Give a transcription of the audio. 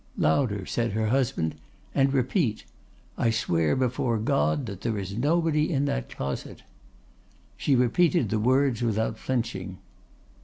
"'Louder,' said her husband; 'and repeat: "I swear before God that there is nobody in that closet."' She repeated the words without flinching.